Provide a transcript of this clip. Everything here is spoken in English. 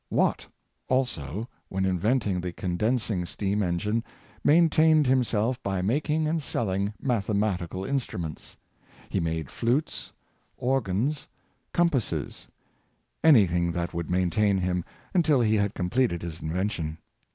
Watt, also, when inventing the condensing steam engine, maintained himself by making and selling mathematical instruments. He made flutes, organs, compasses — anything that would maintain him, until he had completed his invention.